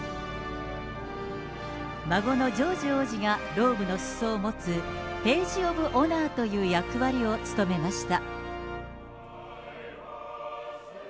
孫のジョージ王子がローブのすそを持つページ・オブ・オナーという役割を務めました。